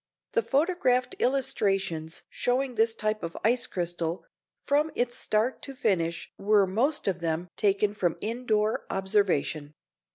The photographed illustrations showing this type of ice crystal, from its start to finish were most of them taken from indoor observation.